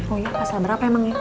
oh iya pasal berapa emang ya